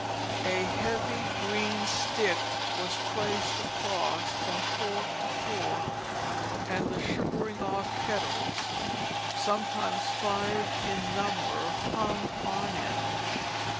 A heavy green stick was placed across from fork to fork, and the sugaring off kettles, sometimes five in number, hung on it.